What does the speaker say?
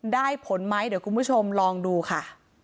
ผลไหมเดี๋ยวคุณผู้ชมลองดูค่ะ